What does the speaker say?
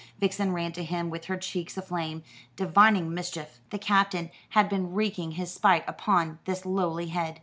Vixen ran to him with her cheeks aflame, divining mischief. The Captain had been wreaking his spite upon this lowly head.